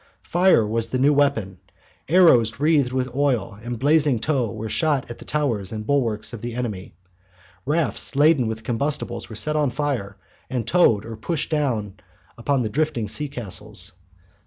Fire was the new weapon, arrows wreathed with oiled and blazing tow were shot at the towers and bulwarks of the enemy. Rafts laden with combustibles were set on fire, and towed or pushed down upon the drifting sea castles.